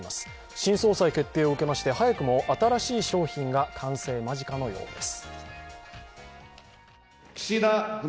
新総裁決定を受けまして早くも新しい商品が完成間近のようです。